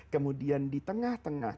kemudian di tengah tengah